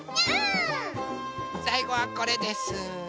さいごはこれです。